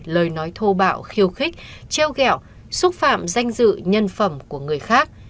lời nói thô bạo khiêu khích treo gẹo xúc phạm danh dự nhân phẩm của người khác